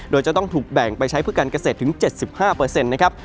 โดยจะต้องถูกแบ่งไปใช้เพื่อการเกษตรถึง๗๕นะครับ